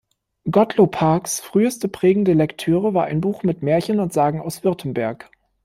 Gottlob Haags früheste prägende Lektüre war ein Buch mit Märchen und Sagen aus Württemberg.